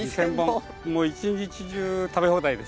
一日中食べ放題です。